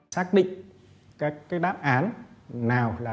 xác định các đáp án nào